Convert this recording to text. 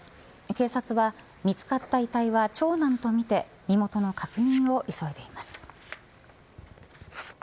警察は、見つかった遺体は長男とみて身元の確認を急いでいます。